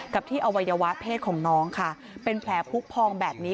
กับที่อวัยวะเพศของน้องค่ะเป็นแผลผู้พองแบบนี้